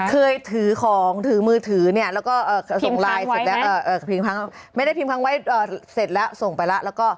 เคยถือของถือมือถือไม่ได้พิมพ์ค้างไวท์เสร็จละส่งไปแล้วก็